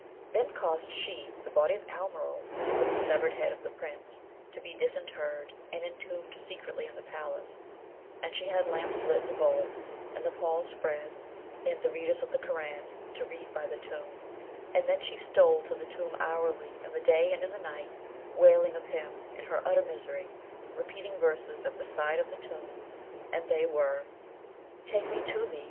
Then caused she the body of Almeryl, with the severed head of the Prince, to be disinterred, and entombed secretly in the palace; and she had lamps lit in the vault, and the pall spread, and the readers of the Koran to read by the tomb; and then she stole to the tomb hourly, in the day and in the night, wailing of him and her utter misery, repeating verses at the side of the tomb, and they were, Take me to thee!